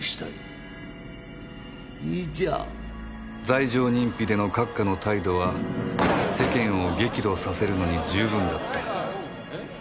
罪状認否での閣下の態度は世間を激怒させるのに十分だった